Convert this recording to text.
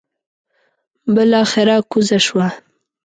بلاخره کوزه شوه.